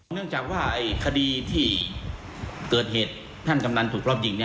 เนื่องจากว่าคดีที่เกิดเหตุท่านกำนันถูกรอบยิง